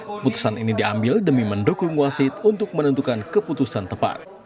keputusan ini diambil demi mendukung wasit untuk menentukan keputusan tepat